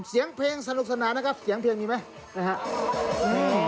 เสียงเพลงสนุกสนานนะครับเสียงเพลงมีไหมนะฮะอืม